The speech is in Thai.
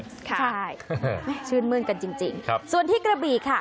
ใช่ชื่นมื้นกันจริงส่วนที่กระบีค่ะ